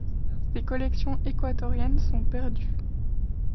Ses collections équatoriennes sont perdues.